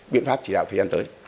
biện pháp chỉ đạo thì em tới